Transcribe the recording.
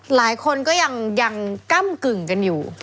หลายคนก็ยังก้ำกึ่งกันอยู่